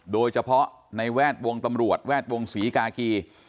โดยเฉพาะในแวดวงตำรวจแวดวงศรีกากี